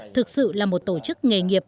thực sự là một tổ chức nghề nghiệp